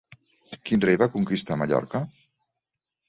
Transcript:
Quin rei va conquistar Mallorca?